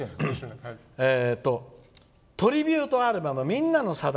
「トリビュート・アルバム「みんなのさだ」